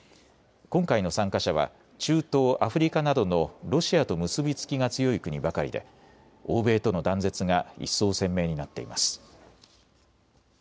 今回の参加者は中東アフリカなどのロシアと結び付きが強い国ばかりで欧米との断絶が一層鮮明になっています。